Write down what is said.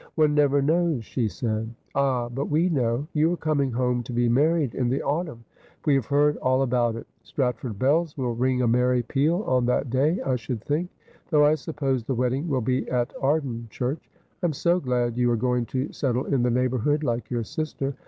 ' One never knows,' she said. ' Ah, but we know. You are coming home to be married in the autumn. We have heard all about it. Stratford Bells will ring a merry peal on that day, I should think ; though I sup pose the wedding will be at Arden Church. I am so glad you are going to settle in the neighbourhood, like your sister.